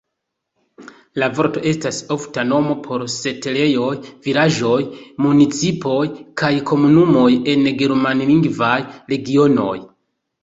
La vorto estas ofta nomo por setlejoj, vilaĝoj, municipoj kaj komunumoj en germanlingvaj regionoj.